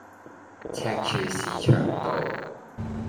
赤柱市場道